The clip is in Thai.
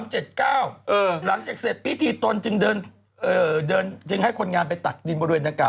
หลังจากเสร็จปิธีตนจึงให้คนงานไปตัดดินบริเวณตั้ง๙